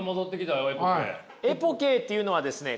エポケーっていうのはですね